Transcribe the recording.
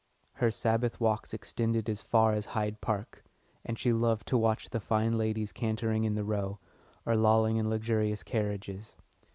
Her Sabbath walks extended as far as Hyde Park, and she loved to watch the fine ladies cantering in the Row, or lolling in luxurious carriages.